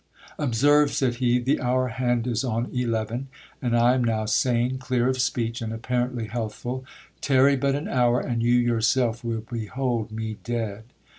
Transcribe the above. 'Observe,' said he, 'the hour hand is on eleven, and I am now sane, clear of speech, and apparently healthful—tarry but an hour, and you yourself will behold me dead!'